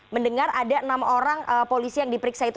mendengar ada enam orang polisi yang diperiksa itu